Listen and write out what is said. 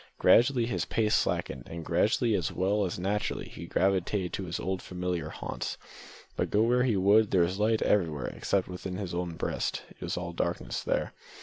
Gradually his pace slackened, and gradually as well as naturally he gravitated to his old familiar haunts; but go where he would, there was light everywhere except within his own breast. It was all darkness there.